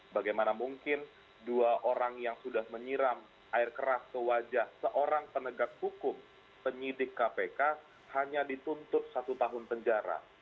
bagaimana mungkin dua orang yang sudah menyiram air keras ke wajah seorang penegak hukum penyidik kpk hanya dituntut satu tahun penjara